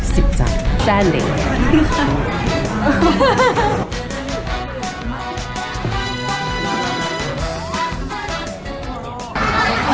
สิบจักรแซ่นเหลง